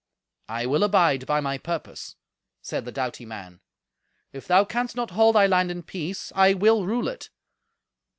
"I will abide by my purpose," said the doughty man. "If thou canst not hold they land in peace, I will rule it.